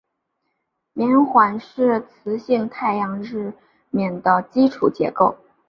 冕环是磁性太阳日冕的基本结构。